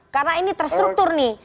karena ini terstruktur nih